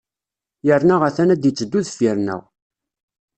Yerna a-t-an ad d-itteddu deffir-nneɣ.